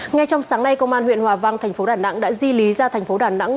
ngay trong sáng nay công an huyện hòa vang thành phố đà nẵng đã di lý ra thành phố đà nẵng